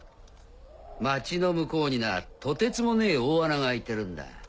町の向こうになとてつもねえ大穴が開いてるんだ。